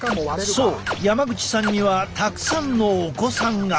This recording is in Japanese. そう山口さんにはたくさんのお子さんが！